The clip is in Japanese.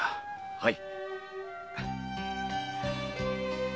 はい！